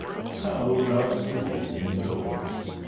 Snow druv school indoors.